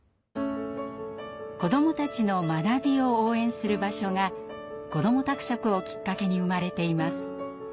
子どもたちの学びを応援する場所がこども宅食をきっかけに生まれています。